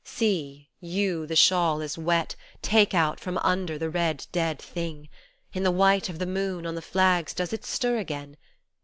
See, you, the shawl is wet, take out from under The red dead thing . In the white of the moon On the flags does it stir again